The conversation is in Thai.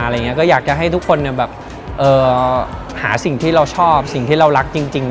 อะไรอย่างเงี้ยก็อยากจะให้ทุกคนเนี้ยแบบเอ่อหาสิ่งที่เราชอบสิ่งที่เรารักจริงจริง